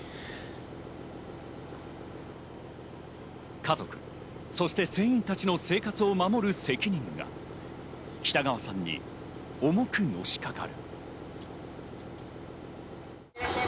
家族、そして船員たちの生活を守る責任が北川さんに重くのしかかる。